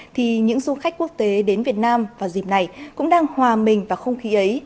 thì những du khách quốc tế đến việt nam vào dịp này cũng đang hòa mình vào không khí ấy